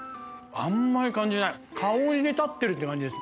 あんまり感じない香りで立ってるって感じです。